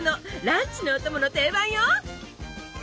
ランチのお供の定番よ。